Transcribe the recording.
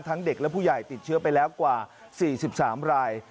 เด็กและผู้ใหญ่ติดเชื้อไปแล้วกว่า๔๓ราย